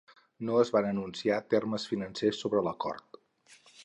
No es van anunciar termes financers sobre l"acord.